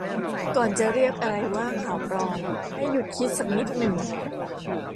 ก่อนจะเรียกอะไรว่า ข่าวปลอม ให้หยุดคิดสักนิดหนึ่ง